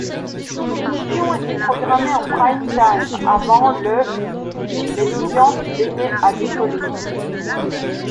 L'émission était programmée en primetime, avant le ', mais l'audience peinait à décoller.